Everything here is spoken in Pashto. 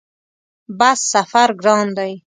بس سفر ګران دی؟